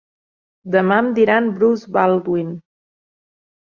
Demà em diran Bruce Baldwin.